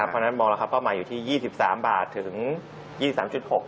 พอนั้นมองละครับเป้าหมายอยู่ที่๒๓บาทถึง๒๓๖ใช่ไหมครับ